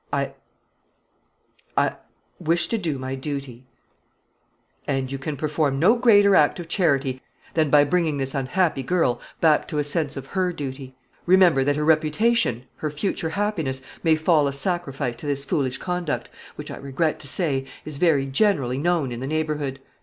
I I wish to do my duty." "And you can perform no greater act of charity than by bringing this unhappy girl back to a sense of her duty. Remember, that her reputation, her future happiness, may fall a sacrifice to this foolish conduct, which, I regret to say, is very generally known in the neighbourhood.